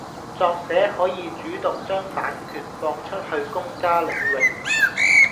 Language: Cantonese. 作者可以主動將版權放出去公家領域